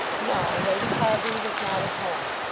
No; Lady Carbury was not at home.